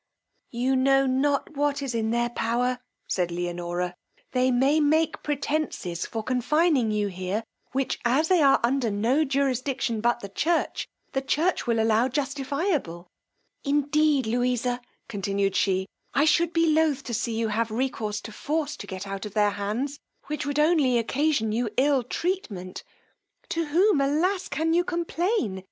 You know not what is in their power, said Leonora; they may make pretences for confining you here, which, as they are under no jurisdiction but the church, the church will allow justifiable: indeed, Louisa, continued she, I should be loth to see you have recourse to force to get out of their hands which would only occasion you ill treatment: to whom, alas, can you complain!